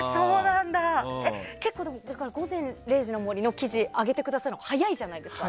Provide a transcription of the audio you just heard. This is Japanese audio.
結構、「午前０時の森」の記事上げてくださるの早いじゃないですか。